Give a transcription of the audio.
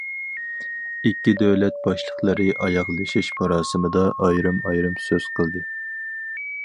ئىككى دۆلەت باشلىقلىرى ئاياغلىشىش مۇراسىمىدا ئايرىم- ئايرىم سۆز قىلدى.